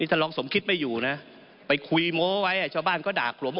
ท่านรองสมคิดไม่อยู่นะไปคุยโม้ไว้ชาวบ้านก็ด่ากลม